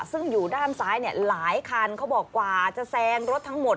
ซึ่งอยู่ด้านซ้ายเนี่ยหลายคันเขาบอกกว่าจะแซงรถทั้งหมด